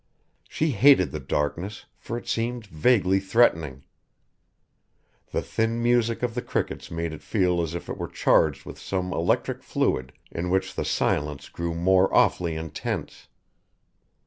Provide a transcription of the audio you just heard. She hated the darkness, for it seemed vaguely threatening. The thin music of the crickets made it feel as if it were charged with some electric fluid in which the silence grew more awfully intense.